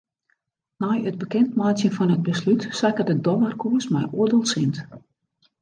Nei it bekendmeitsjen fan it beslút sakke de dollarkoers mei oardel sint.